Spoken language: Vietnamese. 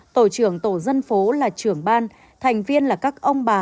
tổ trưởng tổ dân phố là trưởng ban thành viên là các ông bà